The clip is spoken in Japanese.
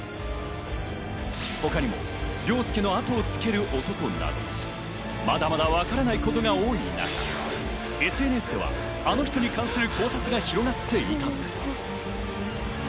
他にも凌介のあとをつける男など、まだまだわからないことが多い中、ＳＮＳではあの人に関する考察が広がっていたのです。